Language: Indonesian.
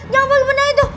jangan pakai benda itu